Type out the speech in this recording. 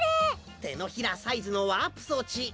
てのひらサイズのワープそうち